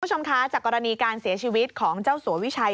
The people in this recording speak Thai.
คุณผู้ชมคะจากกรณีการเสียชีวิตของเจ้าสัววิชัย